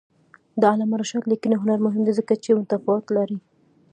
د علامه رشاد لیکنی هنر مهم دی ځکه چې متفاوته دی.